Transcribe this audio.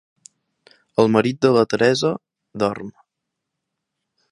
El marit de la Teresa dorm.